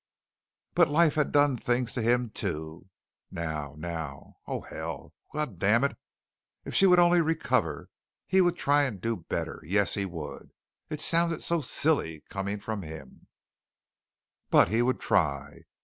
But life had done things to him, too. Now, now Oh, hell, Oh, God damn! If she would only recover, he would try and do better. Yes, he would. It sounded so silly coming from him, but he would try.